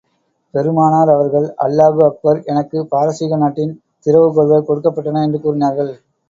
பெருமானார் அவர்கள், அல்லாஹூ அக்பர் எனக்குப் பாரசீக நாட்டின் திறவு கோல்கள் கொடுக்கப் பட்டன என்று கூறினார்கள்.